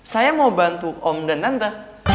saya mau bantu om dan anda